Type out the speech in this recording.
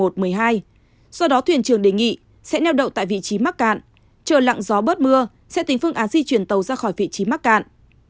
do đó thuyền trưởng đề nghị sẽ neo đậu tại vị trí mắc cạn chờ lặng gió bớt mưa sẽ tính phương án di chuyển tàu ra khỏi vị trí mắc cạn